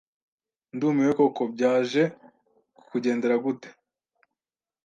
Ndumiwe koko byaje kukugendera gute?